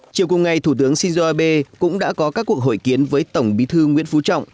chiều cùng ngày thủ tướng shinzo abe cũng đã có các cuộc hội kiến với tổng bí thư nguyễn phú trọng